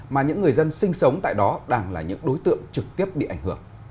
mà những người dân sinh sống tại đó đang là những đối tượng trực tiếp bị ảnh hưởng